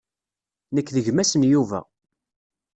Nekk d gma-s n Yuba.